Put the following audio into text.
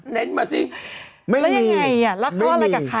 อ่อเห็นมาสิเยอะแม่งี้